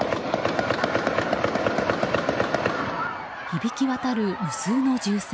響き渡る無数の銃声。